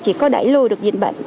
chỉ có đẩy lùi được dịch bệnh